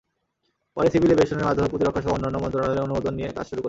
পরে সিভিল অ্যাভিয়েশনের মাধ্যমে প্রতিরক্ষাসহ অন্যান্য মন্ত্রণালয়ের অনুমোদন নিয়ে কাজ শুরু করি।